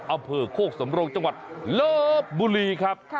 อาเผิกโคกสมโลกจังหวัดเลอบบุรีครับ